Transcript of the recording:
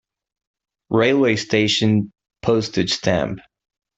Railway station Postage stamp.